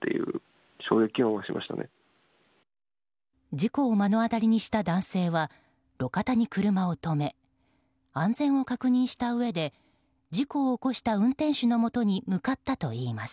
事故を目の当たりにした男性は路肩に車を止め安全を確認したうえで事故を起こした運転手のもとに向かったといいます。